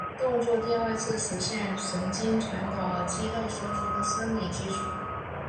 动作电位是实现神经传导和肌肉收缩的生理基础。